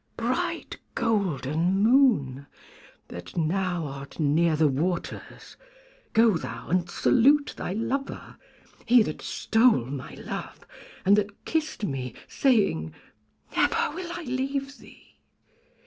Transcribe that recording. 'Bright golden Moon, that now art near the waters, go thou and salute my lover, he that stole my love, and that kissed me, saying "Never will I leave thee."